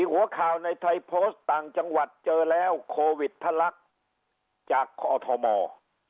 หัวข่าวในไทยโพสต์ต่างจังหวัดเจอแล้วโควิดทะลักจากกอทม